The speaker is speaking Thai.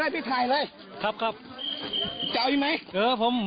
เห็นกันเหรอครับกร่างนะครับ